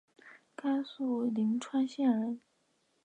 甘肃灵川县人。